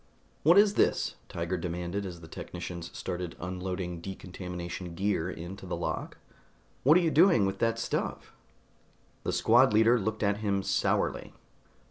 "What is this?" Tiger demanded as the technicians started unloading decontamination gear into the lock. "What are you doing with that stuff?" The squad leader looked at him sourly.